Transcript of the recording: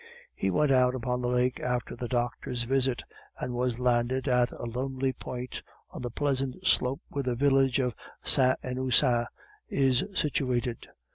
He went out upon the lake after the doctor's visit, and was landed at a lonely point on the pleasant slope where the village of Saint Innocent is situated.